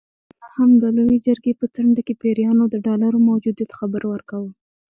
نه هم د لویې جرګې په څنډه کې پیریانو د ډالرو موجودیت خبر ورکاوه.